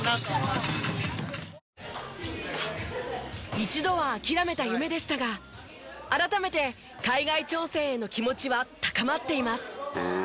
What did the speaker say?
一度は諦めた夢でしたが改めて海外挑戦への気持ちは高まっています。